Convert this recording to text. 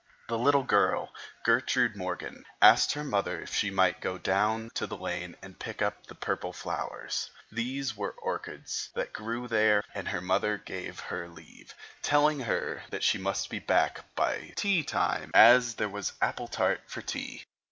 The little girl, Gertrude Morgan, asked her mother if she might go down to the lane and pick the purple flowers—these were orchids—that grew there, and her mother gave her leave, telling her she must be sure to be back by tea time, as there was apple tart for tea.